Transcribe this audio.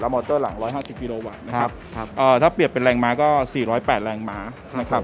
มอเตอร์หลัง๑๕๐กิโลวัตต์นะครับเอ่อถ้าเปรียบเป็นแรงม้าก็๔๐๘แรงม้านะครับ